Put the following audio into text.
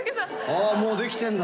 あもうできてんだ。